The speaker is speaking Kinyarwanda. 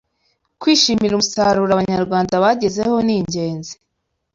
kwishimira umusaruro abanyarwanda bagezeho n’ ingenzi